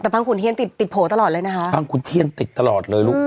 แต่พังขุนเทียนติดติดโผล่ตลอดเลยนะคะพังขุนเทียนติดตลอดเลยลูก